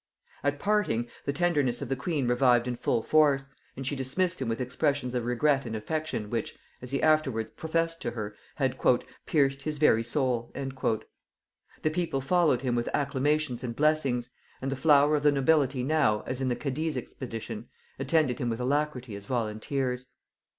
At parting, the tenderness of the queen revived in full force; and she dismissed him with expressions of regret and affection which, as he afterwards professed to her, had "pierced his very soul." The people followed him with acclamations and blessings; and the flower of the nobility now, as in the Cadiz expedition, attended him with alacrity as volunteers.